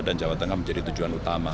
dan jawa tengah menjadi tujuan utama